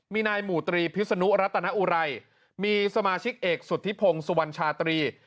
มีนายหมู่ตรีพิศนุรัตนอุไรมีสมาชิกเอกสุธิพงศ์สุวรรณชาตรี